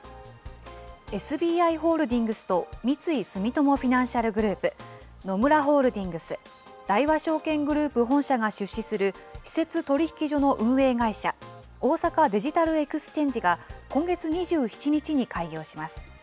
ＳＢＩホールディングスと、三井住友フィナンシャルグループ、野村ホールディングス、大和証券グループ本社が出資する私設取引所の運営会社、大阪デジタルエクスチェンジが今月２７日に開業します。